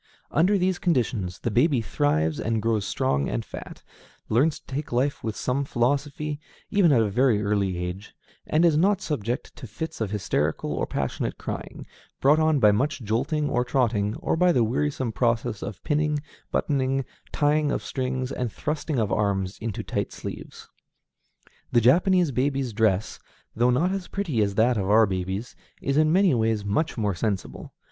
Under these conditions the baby thrives and grows strong and fat; learns to take life with some philosophy, even at a very early age; and is not subject to fits of hysterical or passionate crying, brought on by much jolting or trotting, or by the wearisome process of pinning, buttoning, tying of strings, and thrusting of arms into tight sleeves. The Japanese baby's dress, though not as pretty as that of our babies, is in many ways much more sensible.